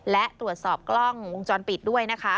และตรวจสอบกล้องวงจรปิดด้วยนะคะ